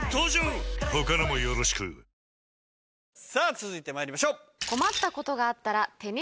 続いてまいりましょう。